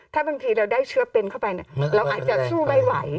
ถ้าบางทีเราได้เชื้อเป็นเข้าไปเราอาจจะสู้ไม่ไหว